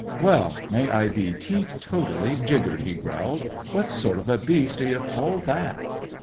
"Well, may I be teetotally jiggered!" he growled. "What sort of a beast do ye call that?"